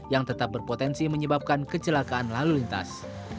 yang tetap berpotensi menyebabkan kecelakaan lalu lintas